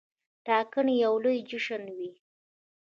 ټاکنې یو لوی جشن وي.